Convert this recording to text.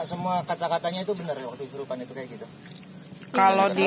semua kata katanya itu benar waktu grupan itu kayak gitu